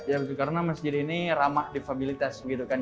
ya karena masjid ini ramah difabilitas gitu kan